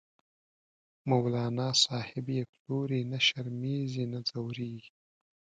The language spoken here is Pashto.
مولانا صاحب یی پلوری، نه شرمیزی نه ځوریږی